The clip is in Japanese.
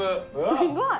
すごい。